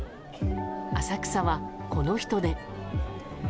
浅草は、この人出。